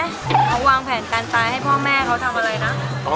เขาวางแผนการตายให้พ่อแม่เขาทำอะไรนะ